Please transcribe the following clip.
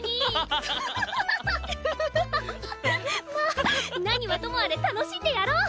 まあ何はともあれ楽しんでやろう。